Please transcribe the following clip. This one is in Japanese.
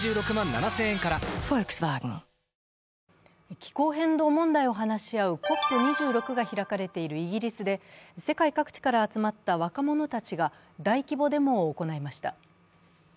気候変動問題を話し合うＣＯＰ２６が開かれているイギリスで、世界各地から集まった若者たちが大規模デモを行いました。